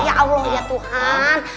ya allah ya tuhan